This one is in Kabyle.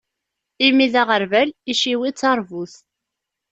Imi d aɣerbal, iciwi d taṛbut.